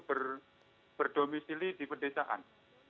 untuk berdomisili di pendesaan